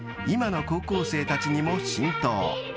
今の高校生たちにも浸透］